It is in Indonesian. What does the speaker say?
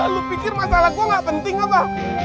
lu pikir masalah gue gak penting apa